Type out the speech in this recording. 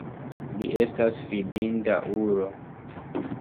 Li estas fidinda ulo.